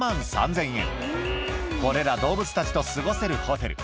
動物たちと過ごせるホテル